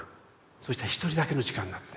そうしたら一人だけの時間になって。